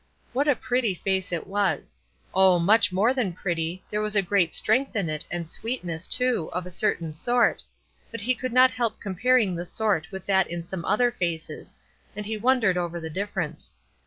What a pretty face it was. Oh, much more than pretty; there was great strength in it and sweetness, too, of a certain sort, but he could not help comparing the sort with that in some other faces, and he wondered over the difference.